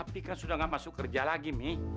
papi kan sudah ga masuk kerja lagi mi